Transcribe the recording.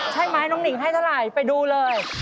ใช่ไหมน้องหนิงให้เท่าไหร่ไปดูเลย